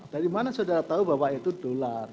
dari mana sudah tahu bapak itu dolar